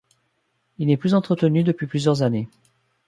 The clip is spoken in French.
Il n'est plus entretenu depuis plusieurs années.